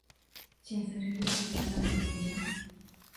Cheng se rinde y se entrega a la policía.